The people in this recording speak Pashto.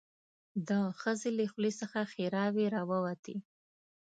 د ښځې له خولې څخه ښيراوې راووتې.